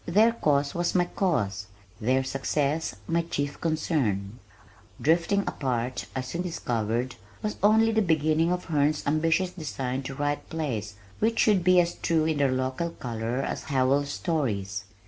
Their cause was my cause, their success my chief concern. Drifting Apart, I soon discovered, was only the beginning of Herne's ambitious design to write plays which should be as true in their local color as Howells' stories.